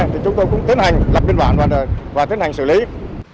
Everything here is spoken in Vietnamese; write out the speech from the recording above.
thì chúng tôi cũng tiến hành lập biên bản và xử lý đúng theo quy định pháp luật